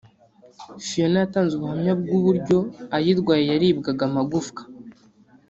Fiona yatanze ubuhamya bw’uburyo ayirwaye yaribwaga amagufwa